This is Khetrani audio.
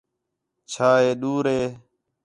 چَھا ہے ڈُور ہے؟